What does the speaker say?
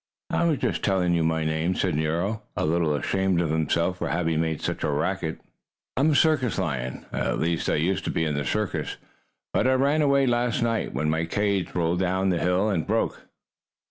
"I was just telling you my name," said Nero, a little ashamed of himself for having made such a racket. "I'm a circus lion. At least I used to be in a circus, but I ran away last night, when my cage rolled downhill and broke."